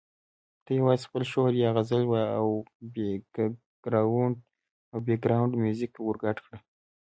ته یوازې خپل شعر یا غزل وایه او بېکګراونډ میوزیک ورګډ کړه.